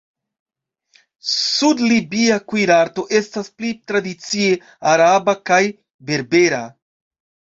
Sud-libia kuirarto estas pli tradicie araba kaj berbera.